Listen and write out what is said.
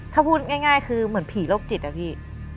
ถ้าพูดง่ายคือเหมือนผีโรคจิตอะพี่